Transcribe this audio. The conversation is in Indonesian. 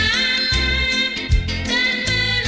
yang membimbingku siang dan malam